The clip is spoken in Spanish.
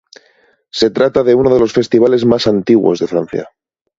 Se trata de uno de los festivales más antiguos de Francia.